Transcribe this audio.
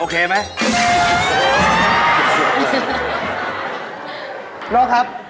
โอเคไหม